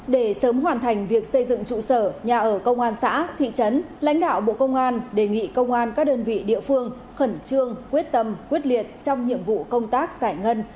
để sớm hoàn thành việc xây dựng trụ sở nhà ở công an xã thị trấn lãnh đạo bộ công an đề nghị công an các đơn vị địa phương khẩn trương quyết tâm quyết liệt trong nhiệm vụ công tác giải ngân